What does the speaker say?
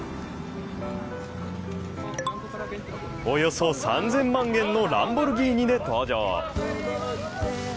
およそ３０００万円のランボルギーニで登場。